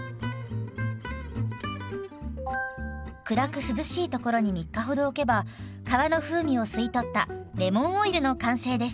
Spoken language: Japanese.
暗く涼しいところに３日ほど置けば皮の風味を吸い取ったレモンオイルの完成です。